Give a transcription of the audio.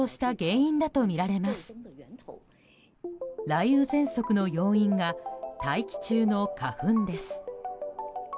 雷雨ぜんそくの要因が大気中の花粉です。